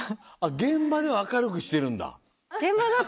現場では明るくしてるんだ。